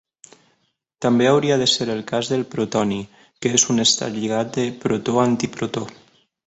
També hauria de ser el cas del protoni, que és un estat lligat de protó-antiprotó.